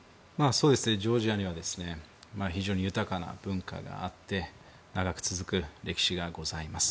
ジョージアには非常に豊かな文化があって長く続く歴史がございます。